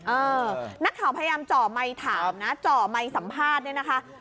เออนักข่าวพยายามจ่อมัยถามจ่อมัยสัมภาษณ์นี่นะคะ